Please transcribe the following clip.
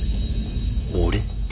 俺？